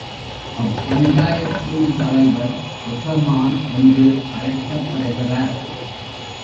அப் பஞ்சாயத்தின் தலைவர் எசமான் என்று அழைக்கப்படுகிறார்.